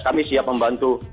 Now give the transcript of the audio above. kami siap membantu